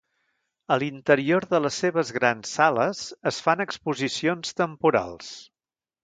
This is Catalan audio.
A l'interior de les seves grans sales es fan exposicions temporals.